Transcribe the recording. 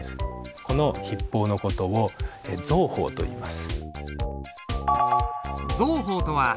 この筆法の事を蔵鋒といいます。